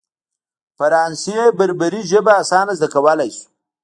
فرانسې بربري ژبه اسانه زده کولای شو.